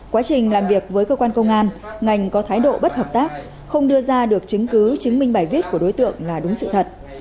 quá trình làm việc với cơ quan công an ngành có thái độ bất hợp tác không đưa ra được chứng cứ chứng minh bài viết của đối tượng là đúng sự thật